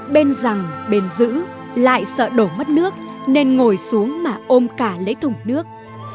bên rằng bên giữ lại sợ đổ mất nước nên ngồi xuống mà ôm cả lấy thùng nước